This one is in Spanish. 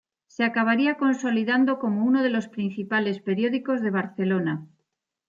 Se acabaría consolidando como uno de los principales periódicos de Barcelona.